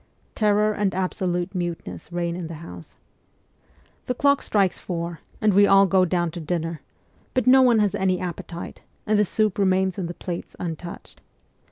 Terror and absolute muteness reign in the house. CHILDHOOD 69 The clock strikes four, and we all go down to dinner; but no one has any appetite, and the soup remains in the plates untouched.